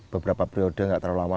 beberapa periode nggak terlalu lama